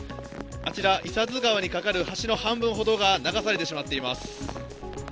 あちら伊佐津川にかかる橋の半分ほどが流されてしまっています。